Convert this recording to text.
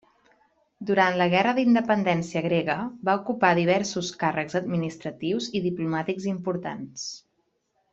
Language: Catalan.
Durant la guerra d'Independència grega, va ocupar diversos càrrecs administratius i diplomàtics importants.